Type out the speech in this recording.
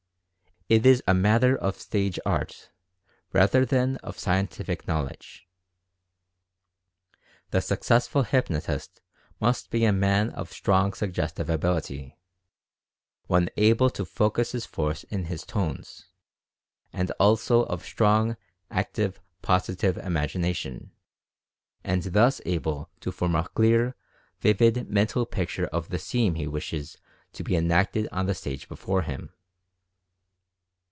It is a matter of stage art, rather than of scientific knowledge. The successful hypnotist must be a man of strong suggestive ability — one able to focus his force in his tones, and also of strong, active Positive Imagination, and thus able to form a clear, vivid Mental Picture of the scene he wishes to be enacted on the stage before him.